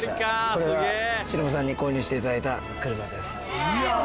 これが忍さんに購入していただいた車です。